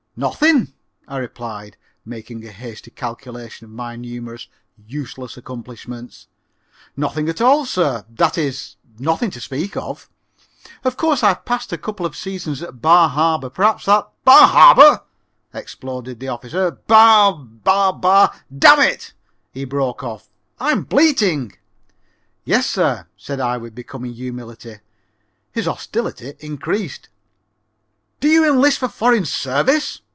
"Nothing," I replied, making a hasty calculation of my numerous useless accomplishments, "nothing at all, sir, that is, nothing to speak of. Of course I've passed a couple of seasons at Bar Harbor perhaps that " "Bar Harbor!" exploded the officer. "Bar! bah! bah dammit," he broke off, "I'm bleating." "Yes, sir," said I with becoming humility. His hostility increased. "Do you enlist for foreign service?"